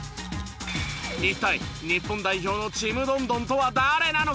一体日本代表のちむどんどんとは誰なのか？